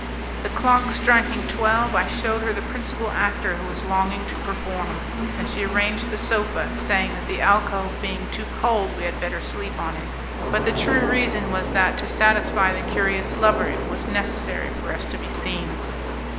The clock striking twelve, I shewed her the principal actor who was longing to perform, and she arranged the sofa, saying that the alcove being too cold we had better sleep on it. But the true reason was that, to satisfy the curious lover, it was necessary for us to be seen.